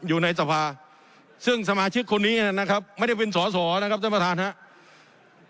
อยู่ในสภาซึ่งสมาชิกคนนี้นะครับไม่ได้เป็นสอสอนะครับท่านประธานครับ